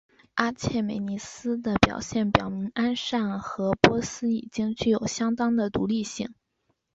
阿契美尼斯的表现表明安善和波斯已经具有相当的独立性。